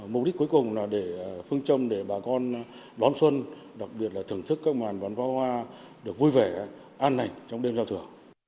mục đích cuối cùng là để phương châm để bà con đón xuân đặc biệt là thưởng thức các ngàn bàn phá hoa được vui vẻ an lành trong đêm do thừa